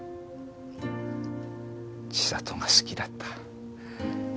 千里が好きだった。